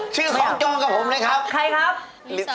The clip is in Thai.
ชื่อของจองกับผมเลยครับ